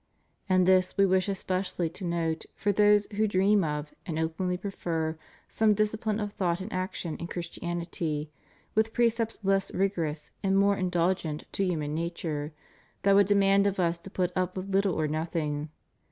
And this we wish especially to note for those who dream of, and openly prefer, some discipline of thought and action in Christianity, with precepts less rigor ous and more indulgent to human nature, that would demand of us to put up with little or nothing.